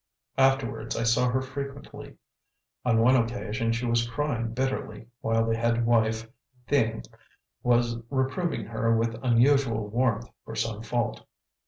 Afterwards I saw her frequently. On one occasion she was crying bitterly, while the head wife, Thieng, was reproving her with unusual warmth for some fault.